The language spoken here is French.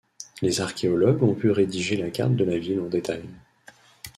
Les archéologues ont pu rédiger la carte de la ville en détail.